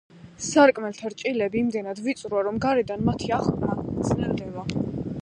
სარკმელთა ჭრილები იმდენად ვიწროა, რომ გარედან მათი აღქმა ძნელდება.